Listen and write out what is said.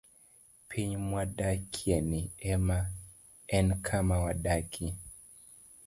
Piny mwadakieni, en kama wadakie.